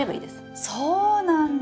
そうなんだ！